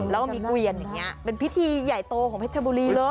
แล้วก็มีเกวียนอย่างนี้เป็นพิธีใหญ่โตของเพชรบุรีเลย